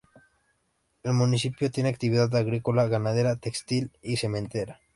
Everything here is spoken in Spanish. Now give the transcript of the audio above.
El municipio tiene actividad agrícola, ganadera, textil y cementera.